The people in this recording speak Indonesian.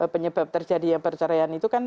penyebab terjadinya perceraian itu kan